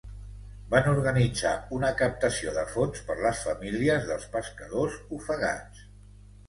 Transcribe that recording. Van organitzar una captació de fons per les famílies dels pescadors ofegats.